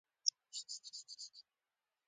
زه له ښاره لرې اوسېږم